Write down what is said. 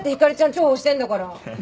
重宝してんだから。